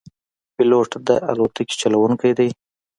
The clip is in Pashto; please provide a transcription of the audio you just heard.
پیلوټ د الوتکې چلوونکی دی.